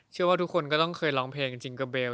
เชื่อว่าทุกคนก็ต้องเคยร้องเพลงจริงกับเบล